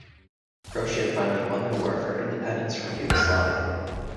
Croatia finally won their war for independence from Yugoslavia.